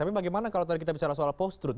tapi bagaimana kalau tadi kita bicara soal post truth